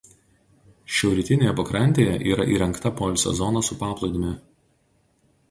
Šiaurrytinėje pakrantėje yra įrengta poilsio zona su paplūdimiu.